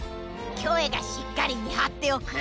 キョエがしっかりみはっておく。